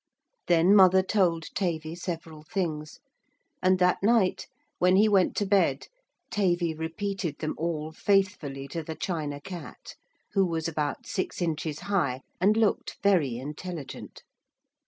Then mother told Tavy several things, and that night when he went to bed Tavy repeated them all faithfully to the China Cat, who was about six inches high and looked very intelligent.